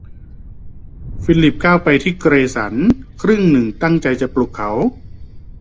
ฟิลิปก้าวไปที่เกรสันครึ่งหนึ่งตั้งใจจะปลุกเขา